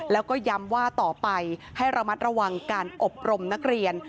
แล้วก็ย้ำว่าต่อไปให้ระมัดระวังการอบรมนักเรียน